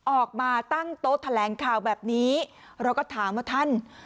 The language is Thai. ออกมาตั้งโต๊ะแถลงข่าวแบบนี้เราก็ถามว่าท่าน